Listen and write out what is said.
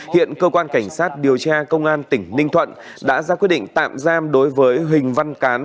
hiện cơ quan cảnh sát điều tra công an tỉnh ninh thuận đã ra quyết định tạm giam đối với huỳnh văn cán